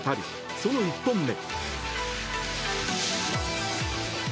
その１本目。